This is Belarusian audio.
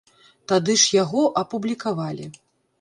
Тады ж яго апублікавалі.